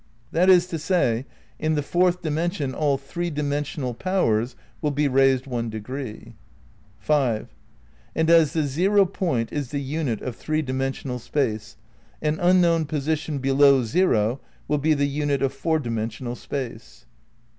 That is to say, in the fourth dimension all three dimensional powers will be raised one degree. 5. And as the zero point is the unit of three dimensional space, an unknown position below zero will be the unit of four dimensional space.